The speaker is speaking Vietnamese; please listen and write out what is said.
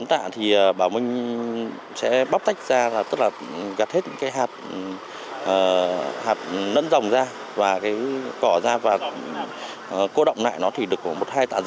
tám tạ thì bảo minh sẽ bóc tách ra tức là gặt hết những cái hạt nẫn dòng ra và cái cỏ ra và cố động lại nó thì được một hai tạ